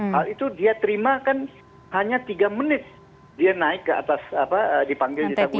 hal itu dia terima kan hanya tiga menit dia naik ke atas apa dipanggil di tabung